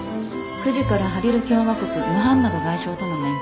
９時からハリル共和国ムハンマド外相との面会。